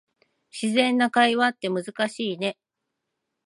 自然な会話って難しいね